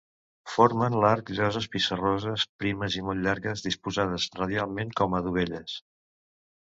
Formen l'arc lloses pissarroses primes i molt llargues disposades radialment com a dovelles.